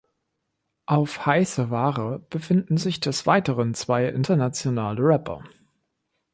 Auf "Heisse Ware" befinden sich des Weiteren zwei internationale Rapper.